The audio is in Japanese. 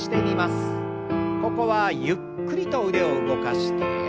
ここはゆっくりと腕を動かして。